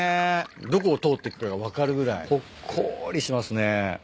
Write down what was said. どこを通っていくかが分かるぐらいほっこりしますね。